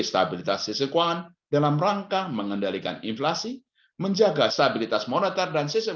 stabilitas sistem keuangan dalam rangka mengendalikan inflasi menjaga stabilitas moneter dan sistem